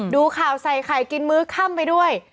ดูข่าวใส่ไข่กินมื้อค่ำไปด้วย